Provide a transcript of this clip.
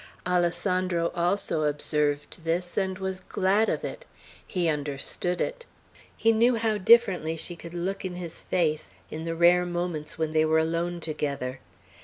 Alessandro also observed this, and was glad of it. He understood it. He knew how differently she could look in his face in the rare moments when they were alone together.